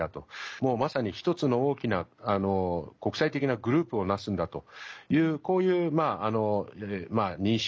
もう、まさに１つの大きな国際的なグループをなすんだという、こういう認識。